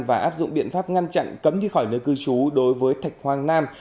và áp dụng biện pháp ngăn chặn cấm đi khỏi nơi cư trú đối với thạch hoàng nam